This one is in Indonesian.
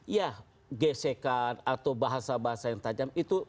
ya gesekan atau bahasa bahasa yang tajam itu